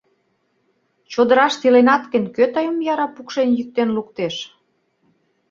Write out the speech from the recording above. Чодыраште иленат гын, кӧ тыйым яра пукшен-йӱктен луктеш?